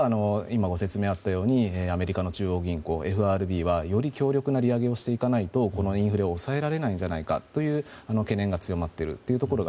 その結果アメリカの中央銀行・ＦＲＢはより強力な利上げをしていかないとこの強力なインフレを抑えられないんじゃないかという懸念が強まっています。